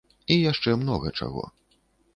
І яшчэ многа чаго.